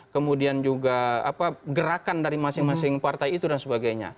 kemudian juga gerakan dari masing masing partai itu dan sebagainya